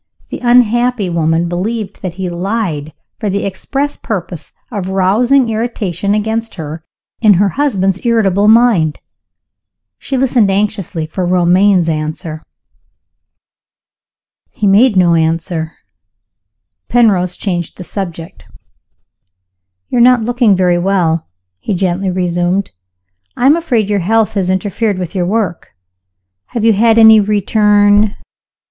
The unhappy woman believed that he lied, for the express purpose of rousing irritation against her, in her husband's irritable mind. She listened anxiously for Romayne's answer.) He made no answer. Penrose changed the subject. "You are not looking very well," he gently resumed. "I am afraid your health has interfered with your work. Have you had any return